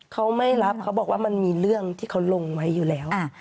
เขาไม่รับเขาบอกว่ามันมีเรื่องที่เขาลงไว้อยู่แล้ว